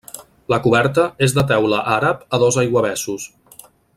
La coberta és de teula àrab a dos aiguavessos.